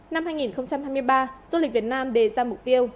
năm hai nghìn hai mươi ba du lịch việt nam đề ra mục tiêu